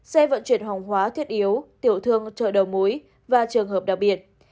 xe vận chuyển hồng hóa thiết yếu tiểu thương trợ đầu mũi và trường hợp đặc biệt